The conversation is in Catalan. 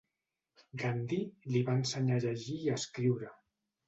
Gandhi li va ensenyar a llegir i escriure.